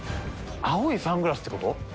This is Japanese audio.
青いサングラスってこと？